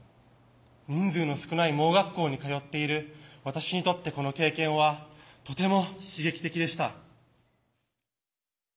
人数の少ない盲学校に通っている私にとってこの経験はとても刺激的でした。